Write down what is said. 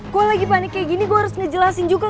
gue lagi panik kayak gini gue harus ngejelasin juga